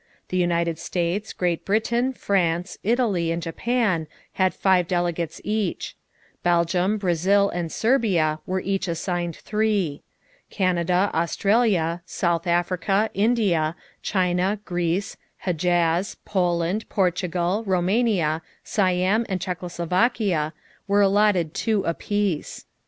The United States, Great Britain, France, Italy, and Japan had five delegates each. Belgium, Brazil, and Serbia were each assigned three. Canada, Australia, South Africa, India, China, Greece, Hedjaz, Poland, Portugal, Rumania, Siam, and Czechoslovakia were allotted two apiece.